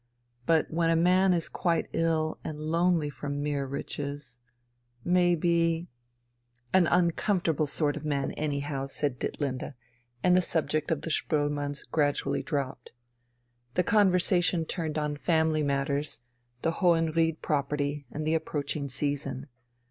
But when a man is quite ill and lonely from mere riches ... Maybe ..." "An uncomfortable sort of man anyhow," said Ditlinde, and the subject of the Spoelmanns gradually dropped. The conversation turned on family matters, the "Hohenried" property, and the approaching season.